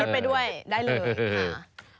ไปด้วยได้เลยค่ะ